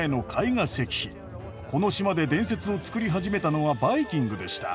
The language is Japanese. この島で伝説をつくり始めたのはバイキングでした。